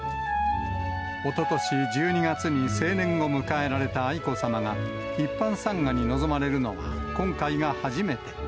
おととし１２月に成年を迎えられた愛子さまが、一般参賀に臨まれるのは、今回が初めて。